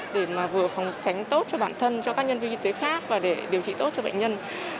để mà vừa phòng tránh tốt cho bản thân cho các nhân viên y tế khác và để điều trị tốt cho bệnh nhân